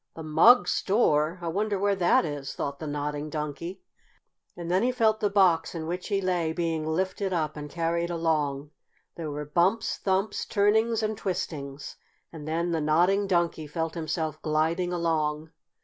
"The Mugg store! I wonder where that is!" thought the Nodding Donkey. And then he felt the box in which he lay being lifted up and carried along. There were bumps, thumps, turnings and twistings, and then the Nodding Donkey felt himself gliding along.